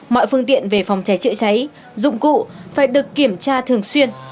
mọi phương tiện về phòng cháy chữa cháy dụng cụ phải được kiểm tra thường xuyên